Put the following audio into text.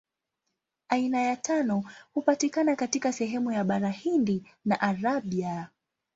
Aina ya tano hupatikana katika sehemu ya Bara Hindi na Arabia.